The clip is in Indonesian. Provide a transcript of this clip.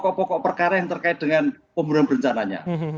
pokok pokok perkara yang terkait dengan pembunuhan berencananya